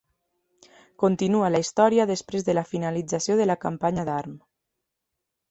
Continua la història després de la finalització de la campanya d'Arm.